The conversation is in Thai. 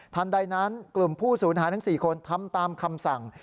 ใดนั้นกลุ่มผู้สูญหายทั้ง๔คนทำตามคำสั่ง